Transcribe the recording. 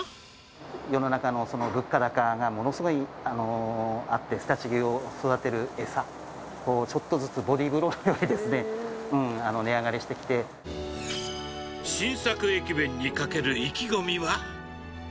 世の中の物価高がものすごいあって、常陸牛を育てる餌、ちょっとずつボディーブローのように値上がり新作駅弁にかける意気込みは。